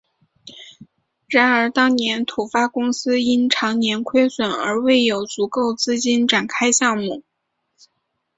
然而当年土发公司因长年亏损而未有足够资金展开项目。